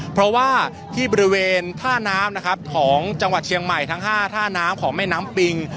เพราะว่าที่บริเวณท่าน้ำนะครับของจังหวัดเชียงใหม่ทั้ง๕ท่าน้ำของแม่น้ำปิง